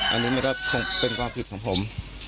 อันนี้มันก็คงเป็นความผิดของผม